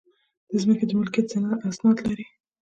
د ځمکې د ملکیت اسناد لرئ؟